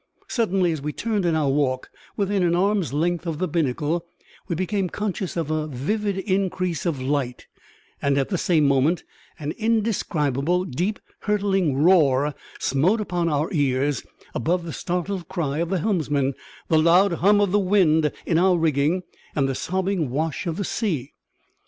Suddenly, as we turned in our walk, within arm's length of the binnacle, we became conscious of a vivid increase of light, and at the same moment an indescribable, deep, hurtling roar smote upon our ears above the startled cry of the helmsman, the loud hum of the wind in our rigging, and the sobbing wash of the sea.